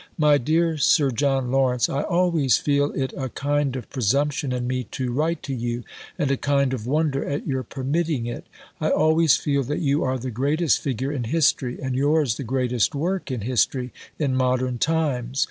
MY DEAR SIR JOHN LAWRENCE I always feel it a kind of presumption in me to write to you and a kind of wonder at your permitting it. I always feel that you are the greatest figure in history, and yours the greatest work in history, in modern times.